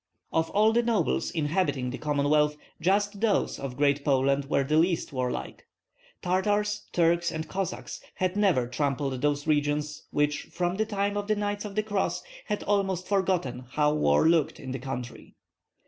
Of all the nobles inhabiting the Commonwealth just those of Great Poland were the least warlike. Tartars, Turks, and Cossacks had never trampled those regions which from the time of the Knights of the Cross had almost forgotten how war looked in the country.